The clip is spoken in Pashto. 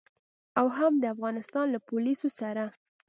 او هم د افغانستان له پوليسو سره.